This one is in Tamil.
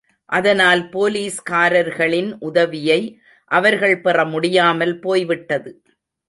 அதனால் போலீஸ்காரர்களின் உதவியை அவர்கள் பெற முடியாமல் போய்விட்டது.